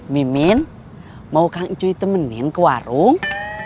mimin mau kang icui temenin ke warung